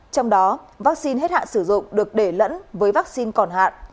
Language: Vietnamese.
trong đó vaccine hết hạn sử dụng được để lẫn với vaccine còn hạn